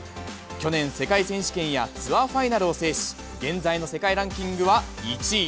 去年、世界選手権やツアーファイナルを制し、現在の世界ランキングは１位。